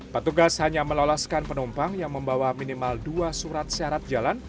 petugas hanya meloloskan penumpang yang membawa minimal dua surat syarat jalan